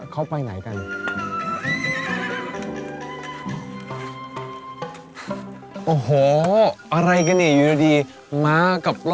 เดินเลยครับ